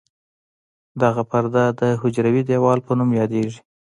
دغه پرده د حجروي دیوال په نوم یادیږي.